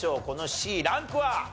このＣランクは？